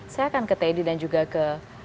saya akan ke teddy dan juga ke